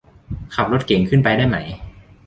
ขับรถเก๋งขึ้นไปได้ไหม